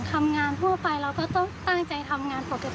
ทำงานทั่วไปเราก็ต้องตั้งใจทำงานปกติ